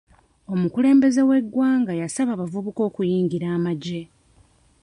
Omukulembeze w'eggwanga yasaba abavubuka okuyingira amagye.